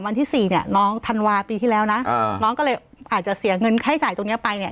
วันที่สี่เนี่ยน้องธันวาปีที่แล้วนะน้องก็เลยอาจจะเสียเงินค่าจ่ายตรงเนี้ยไปเนี่ย